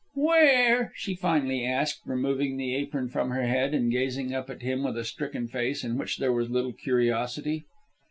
"Where?" she finally asked, removing the apron from her head and gazing up at him with a stricken face in which there was little curiosity.